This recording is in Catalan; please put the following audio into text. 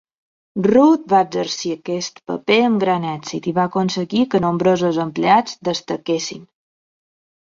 Root va exercir aquest paper amb gran èxit i va aconseguir que nombrosos empleats destaquessin.